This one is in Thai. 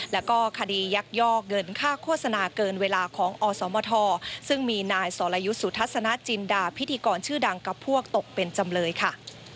แล้วก็คดียักยอกเงินค่าโฆษณาเกินเวลาของอสมทซึ่งมีนายสรยุทธ์สุทัศนจินดาพิธีกรชื่อดังกับพวกตกเป็นจำเลยค่ะ